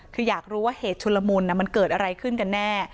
คืออยากรู้ว่าเหตุชุลมุนมันเกิดอะไรขึ้นกันแน่